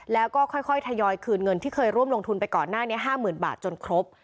แล้วก็ค่อยทยอยคืนเงินที่เคยร่วมลงทุนไปก่อนหน้านี้๕๐๐๐บาทจนครบ